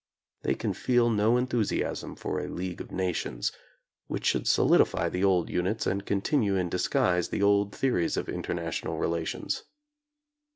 They can feel no en thusiasm for a League of Nations, which should solidify the old units and continue in disguise the old theories of international relations.